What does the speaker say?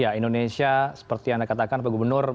ya indonesia seperti anda katakan pak gubernur